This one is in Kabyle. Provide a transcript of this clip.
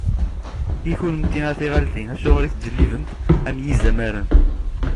I kunemti, a tiɣaltin, acuɣer i tettjellibemt am yizamaren?